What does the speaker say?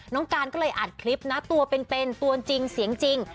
การก็เลยอัดคลิปนะตัวเป็นตัวจริงเสียงจริง